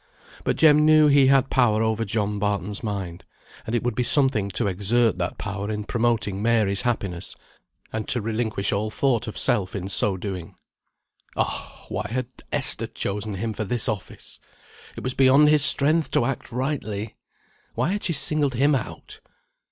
But Jem knew he had power over John Barton's mind; and it would be something to exert that power in promoting Mary's happiness, and to relinquish all thought of self in so doing. Oh! why had Esther chosen him for this office? It was beyond his strength to act rightly! Why had she singled him out?